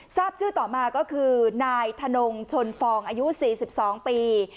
ทราบชื่อต่อมาก็คือนายถนงชนฟองอายุ๔๒ปี